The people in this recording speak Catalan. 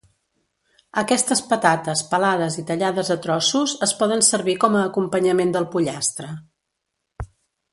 Aquestes patates pelades i tallades a trossos es poden servir com a acompanyament del pollastre.